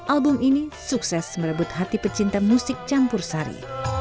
album ini sukses merebut hati pecinta musik campur sari